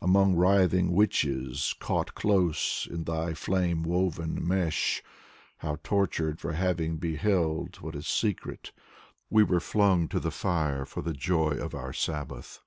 Among writhing witches caught close in thy flame woven mesh. How, tortured for having beheld what is secret, We were flung to the fire for the joy of our sabbath.